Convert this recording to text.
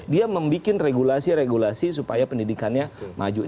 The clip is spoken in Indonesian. dia membuat regulasi regulasi supaya pendidikannya maju